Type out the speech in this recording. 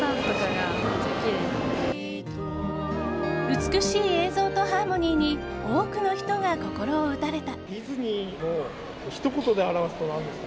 美しい映像とハーモニーに多くの人が心を打たれた。